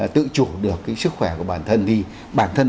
tự chủ được cái sức khỏe của bản thân